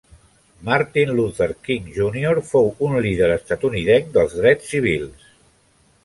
Martin Luther King Jr. fou un líder estatunidenc dels drets civils.